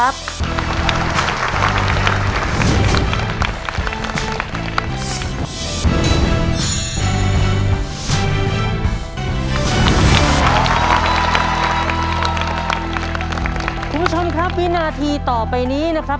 คุณผู้ชมครับวินาทีต่อไปนี้นะครับ